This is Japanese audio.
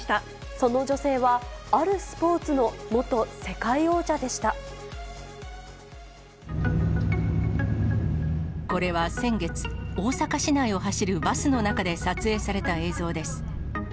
その女性は、これは先月、大阪市内を走るバスの中で撮影された映像です。